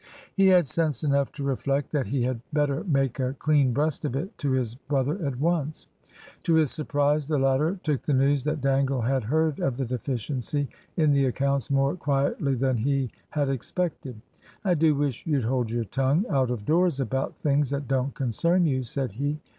He had sense enough to reflect that he had better make a clean breast of it to his brother at once. To his surprise, the latter took the news that Dangle had heard of the deficiency in the accounts more quietly than he had expected. "I do wish you'd hold your tongue out of doors about things that don't concern you," said he.